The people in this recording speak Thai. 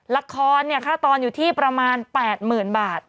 ละครค่าตอนอยู่ที่ประมาณ๘๐๐๐บาท